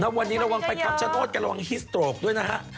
วันนี้ระวังไปคำชโนธกันระวังฮิสโตรกด้วยนะฮะ